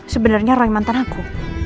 sebenarnya roy mantan aku